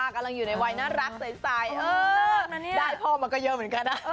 กำลังอยู่ในวัยน่ารักใสได้พ่อมาก็เยอะเหมือนกันนะ